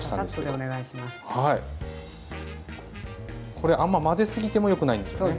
これあんま混ぜすぎてもよくないんですよね？